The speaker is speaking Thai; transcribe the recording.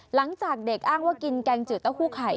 หลังจากเด็กอ้างว่ากินแกงจืดเต้าหู้ไข่